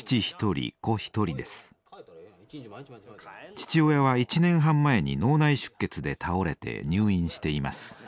父親は１年半前に脳内出血で倒れて入院しています。